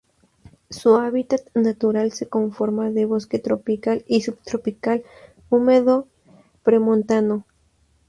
Su hábitat natural se conforma de bosque tropical y subtropical húmedo premontano.